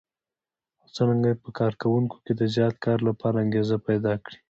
او څرنګه په کار کوونکو کې د زیات کار لپاره انګېزه پيدا کړي.